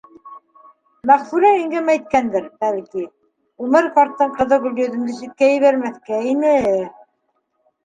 Мәғфүрә еңгәм әйткәндер, бәлки, Үмәр ҡарттың ҡыҙы Гөлйөҙөмдө ситкә ебәрмәҫкә ине...